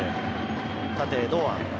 縦へ堂安。